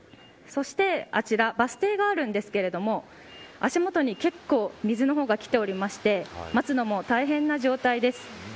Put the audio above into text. そして、あちらバス停があるんですけれども足元に結構水の方がきておりまして待つのも大変な状態です。